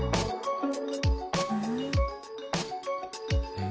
うん？